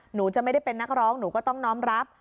หนูจะไม่ได้เป็นนักร้องหนูก็ต้องน้อมรับ